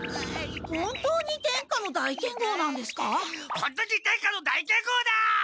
本当に天下の大剣豪だ！